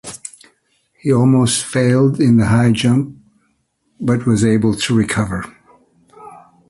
He almost failed in the high jump but was able to recover.